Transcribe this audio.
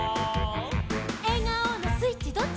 「えがおのスイッチどっち？」